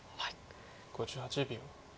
５８秒。